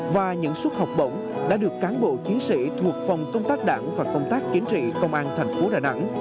và những suất học bổng đã được cán bộ chiến sĩ thuộc phòng công tác đảng và công tác chính trị công an thành phố đà nẵng